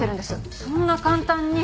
そんな簡単に。